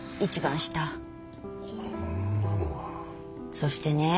そしてね